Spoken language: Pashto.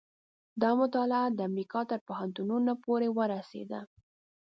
دا مطالعه د امریکا تر پوهنتونونو پورې ورسېده.